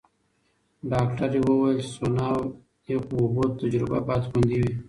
ډاکټره وویل چې سونا او یخو اوبو تجربه باید خوندي وي.